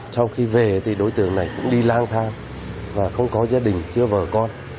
sau khi về thì đối tượng này cũng đi lang thang và không có gia đình chưa vợ con